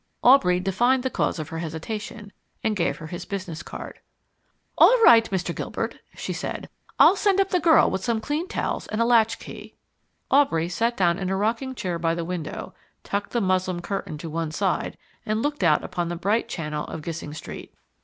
Aubrey divined the cause of her hesitation, and gave her his business card. "All right, Mr. Gilbert," she said. "I'll send up the girl with some clean towels and a latchkey." Aubrey sat down in a rocking chair by the window, tucked the muslin curtain to one side, and looked out upon the bright channel of Gissing Street.